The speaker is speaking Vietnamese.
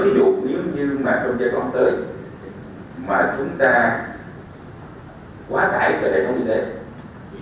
với ví dụ nếu như trong giai đoạn tới mà chúng ta quá tải về hệ thống y tế